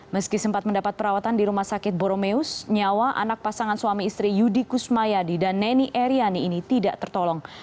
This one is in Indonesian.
meski sempat mendapat perawatan di rumah sakit boromeus nyawa anak pasangan suami istri yudi kusmayadi dan neni eriani ini tidak tertolong